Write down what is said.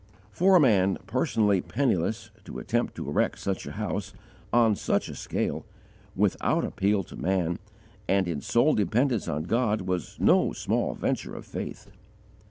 For a man, personally penniless, to attempt to erect such a house, on such a scale, without appeal to man and in sole dependence on God was no small venture of faith.